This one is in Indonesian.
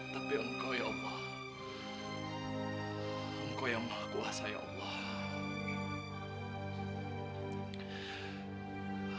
tapi engkau ya allah engkau yang maha kuasai allah